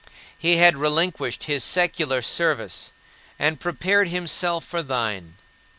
He had relinquished his secular service, and prepared himself for thine.